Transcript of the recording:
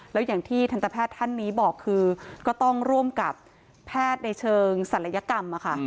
แล้วอย่างที่ทันตแพทย์ท่านนี้บอกคือก็ต้องร่วมกับแพทย์ในเชิงศัลยกรรมค่ะ